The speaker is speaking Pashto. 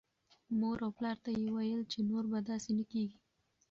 مور او پلار ته یې ویل چې نور به داسې نه کېږي.